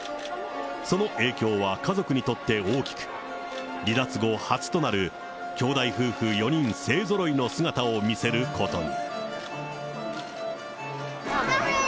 その影響は家族にとって大きく、離脱後初となる、兄弟夫婦４人勢ぞろいの姿を見せることに。